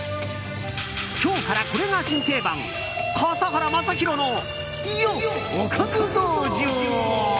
今日からこれが新定番笠原将弘のおかず道場。